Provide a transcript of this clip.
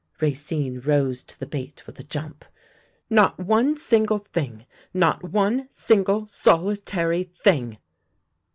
Racine rose to the bait with a jump. '' Not one single thing — not one single solitary thing